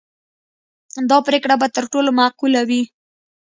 دا پرېکړه به تر ټولو معقوله وي.